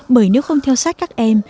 bởi nếu không theo sách các em